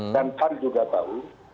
dan pan juga tahu